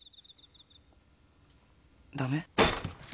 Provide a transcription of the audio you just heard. ダメ？